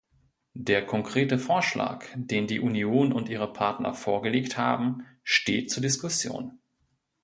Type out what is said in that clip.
Der konkrete Vorschlag, den die Union und ihre Partner vorgelegt haben, steht zur Diskussion.